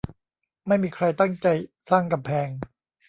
ไม่มีใครตั้งใจสร้างกำแพง